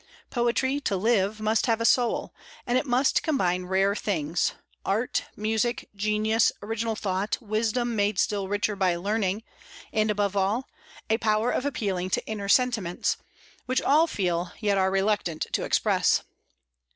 Poetry, to live, must have a soul, and it must combine rare things, art, music, genius, original thought, wisdom made still richer by learning, and, above all, a power of appealing to inner sentiments, which all feel, yet are reluctant to express.